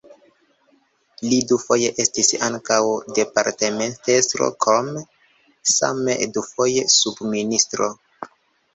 Li dufoje estis ankaŭ departementestro, krome same dufoje subministro.